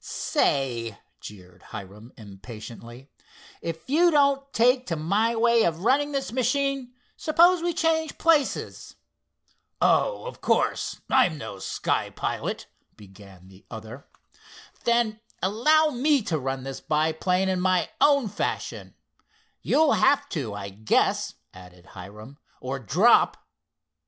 "Say," jeered Hiram impatiently, "if you don't take to my way of running this machine, suppose we change places?" "Oh, of course, I'm no sky pilot"—began the other. "Then allow me to run this biplane in my own fashion. You'll have to, I guess," added Hiram, "or drop.